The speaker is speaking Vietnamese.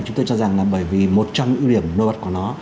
chúng tôi cho rằng là bởi vì một trong ưu điểm nô bật của nó